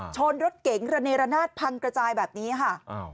ชนรถเก๋งระเนรนาศพังกระจายแบบนี้ค่ะ